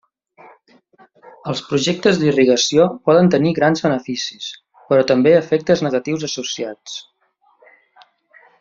Els projectes d'irrigació poden tenir grans beneficis però també efectes negatius associats.